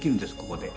ここで。